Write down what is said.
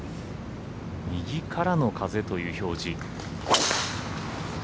右からの風という表示。